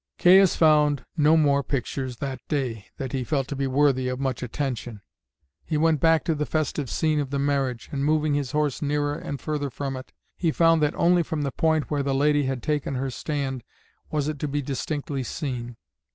Caius found no more pictures that day that he felt to be worthy of much attention. He went back to the festive scene of the marriage, and moving his horse nearer and further from it, he found that only from the point where the lady had taken her stand was it to be distinctly seen.